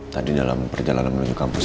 tadi dalam perjalanan menuju kampus